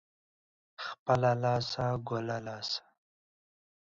خپله لاسه ، گله لاسه.